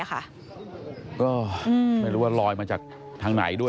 ก็ไม่รู้ว่าลอยมาจากทางไหนด้วย